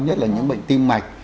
nhất là những bệnh tim mạch